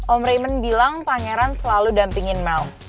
om raymond bilang pangeran selalu dampingin mel